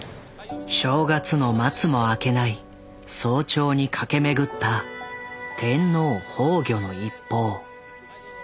正月の松も明けない早朝に駆け巡った「天皇崩御」の一報。